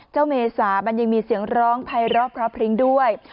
เมษามันยังมีเสียงร้องภายรอบเพราะพริ้งด้วย